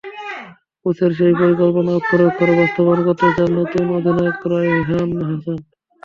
কোচের সেই পরিকল্পনা অক্ষরে অক্ষরে বাস্তবায়ন করতে চান নতুন অধিনায়ক রায়হান হাসান।